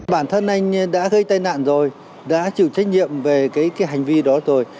bản thân anh đã gây tai nạn rồi đã chịu trách nhiệm về cái hành vi đó rồi